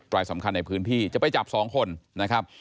รายสำคัญในพื้นที่จะไปจับ๒คนนะครับ